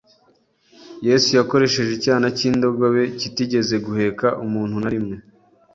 Yesu yakoresheje icyana cy'indogobe kitigeze guheka umuntu na rimwe